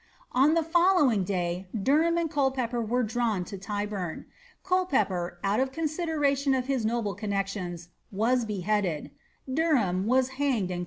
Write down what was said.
"' On the following day Derham and Culpepper were drawn to Tyburn; Oilpepper, out of consideration to his noble connexions, was beheaded| * State Paper Office BiS.